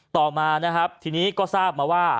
ต่อมาทีนี้ก็ทราบมาว่า